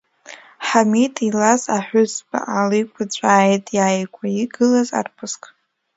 Ҳамиҭ илаз аҳәызба ааликәыцәааит иааигәа игылаз арԥыск.